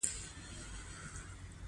په افغانستان کې آب وهوا شتون لري.